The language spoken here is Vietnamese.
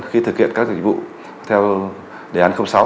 khi thực hiện các dịch vụ theo đề án sáu